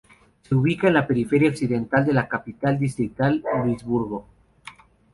Se ubica en la periferia occidental de la capital distrital Luisburgo.